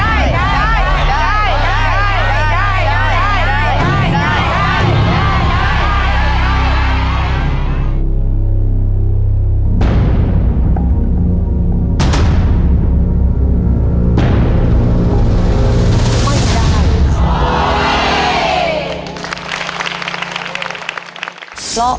ไม่ได้